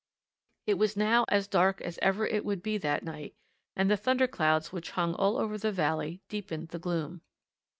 It was now as dark as ever it would be that night, and the thunderclouds which hung all over the valley deepened the gloom.